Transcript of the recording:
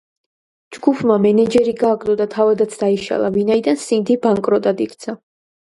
ჯგუფმა მენეჯერი გააგდო და თავადაც დაიშალა, ვინაიდან სინდი ბანკროტად იქცა.